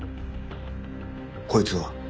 こいつは。